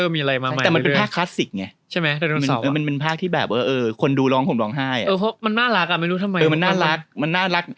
มีภาคแบบโลกขุนยนทร์ไดโนเสาร์